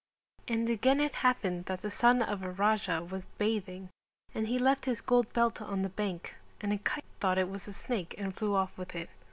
And again it happened that the son of a Raja was bathing and he left his gold belt on the bank and a kite thought it was a snake and flew off with it.